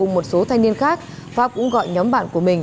cùng một số thanh niên khác pháp cũng gọi nhóm bạn của mình